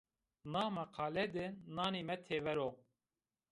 Na meqale de nanîme têver o